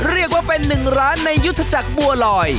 เรียกว่าเป็นหนึ่งร้านในยุทธจักรบัวลอย